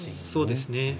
そうですね。